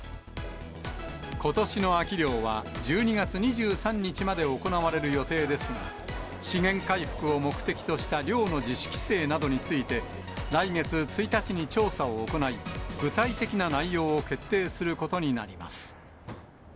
ことしの秋漁は、１２月２３日まで行われる予定ですが、資源回復を目的とした漁の自主規制などについて、来月１日に調査を行い、具体的な内容を決定することになります。